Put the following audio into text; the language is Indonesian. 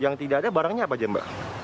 yang tidak ada barangnya apa aja mbak